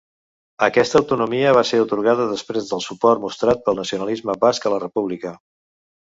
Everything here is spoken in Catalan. Aquesta autonomia va ser atorgada després del suport mostrat pel nacionalisme basc a la República.